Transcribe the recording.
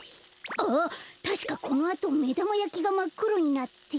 あったしかこのあとめだまやきがまっくろになって。